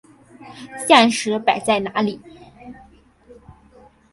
现实摆在哪里！